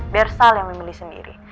biar sal yang memilih sendiri